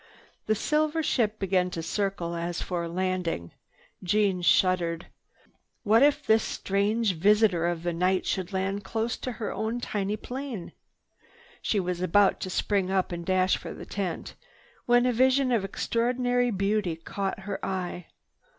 The silver ship began to circle as for a landing. Jeanne shuddered. What if this strange visitor of the night should land close to her own tiny plane! She was about to spring up and dash for the tent, when a vision of extraordinary beauty caught her eye.